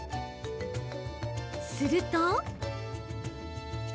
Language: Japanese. すると。